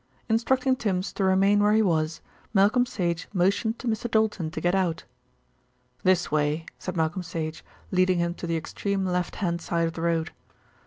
Instructing Tims to remain where he was, Malcolm Sage motioned to Mr. Doulton to get out. "This way," said Malcolm Sage, leading him to the extreme left hand side of the road.